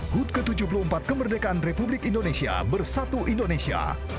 hud ke tujuh puluh empat kemerdekaan republik indonesia bersatu indonesia